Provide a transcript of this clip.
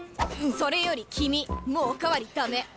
それより君もうお代わり駄目！